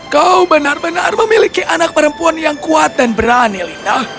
kau benar benar memiliki anak perempuan yang kuat dan berani lina